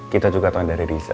kita juga tau dari riza